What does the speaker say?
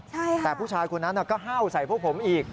ใช่ค่ะแต่ผู้ชายคนนั้นก็ห้าวใส่พวกผมอีก